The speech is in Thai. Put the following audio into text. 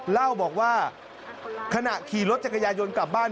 เล่าบอกว่าขณะขี่รถจักรยายนต์กลับบ้าน